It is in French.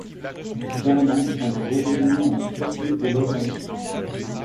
Vermand semble redevenir leur chef-lieu au Bas-Empire.